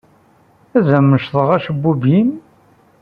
Ad am-mecḍeɣ acebbub-im?